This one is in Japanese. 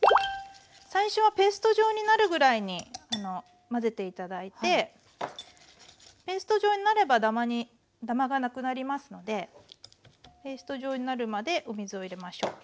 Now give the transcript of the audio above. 最初はペースト状になるぐらいに混ぜて頂いてペースト状になればダマがなくなりますのでペースト状になるまでお水を入れましょう。